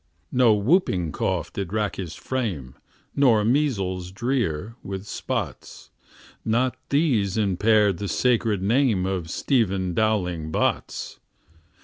No whooping cough did rack his frame, Nor measles drear, with spots; Not these impaired the sacred name Of Stephen Dowling Bots.